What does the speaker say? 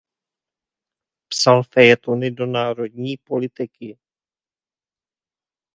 Psal fejetony do Národní politiky.